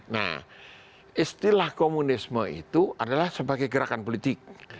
nah istilah komunisme itu adalah sebagai gerakan politik